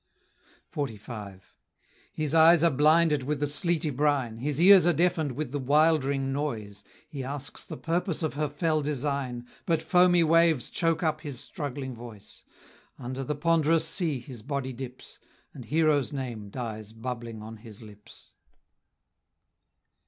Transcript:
XLV. His eyes are blinded with the sleety brine, His ears are deafen'd with the wildering noise; He asks the purpose of her fell design, But foamy waves choke up his struggling voice; Under the ponderous sea his body dips, And Hero's name dies bubbling on his lips.